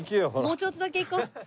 もうちょっとだけ行こう。